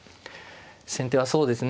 先手はそうですね